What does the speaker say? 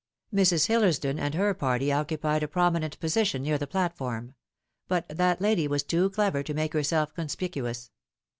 Mrs. Hillersdon and her party occupied a prominent position near the platform ; but that lady was too clever to make herself conspicuous.